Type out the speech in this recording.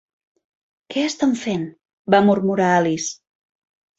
"Què estan fent?', va murmurar Alice.